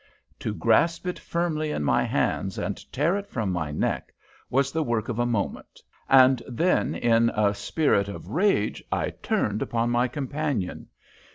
To grasp it firmly in my hands and tear it from my neck was the work of a moment, and then in a spirit of rage I turned upon my companion.